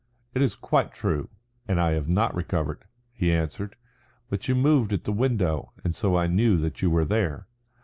"It is quite true, and I have not recovered," he answered. "But you moved at the window and so I knew that you were there."